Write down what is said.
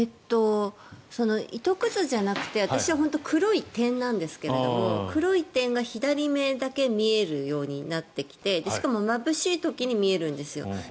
糸くずじゃなくて私は本当に黒い点なんですが黒い点が左目だけ見えるようになってきてしかも、まぶしい時に見えるんですよ。